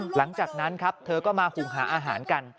หลังจากนั้นครับเธอก็มาหุงหาอาหารกัน